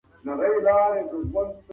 زموږ دوستان بايد زموږ په نکاح خوشحال سي.